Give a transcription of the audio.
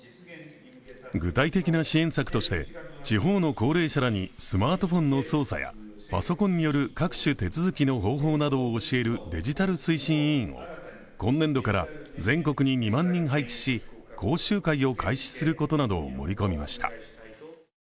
具体的な支援策として地方の高齢者らにスマホの操作やパソコンによる各種手続きの方法などを教えるデジタル推進委員を今年度から全国に２万人配置し、講習会を開始することなどを盛り込みました。